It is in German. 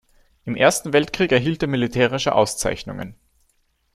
Im Ersten Weltkrieg erhielt er militärische Auszeichnungen.